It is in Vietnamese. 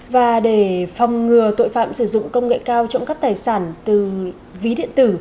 và để phòng ngừa tội phạm sử dụng công nghệ cao trộm cắp tài sản từ ví điện tử